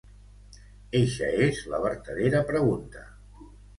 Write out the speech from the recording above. Eixa és la vertadera pregunta.